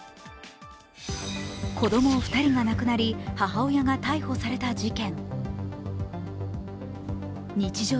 子供２人が亡くなり、母親が逮捕された事件。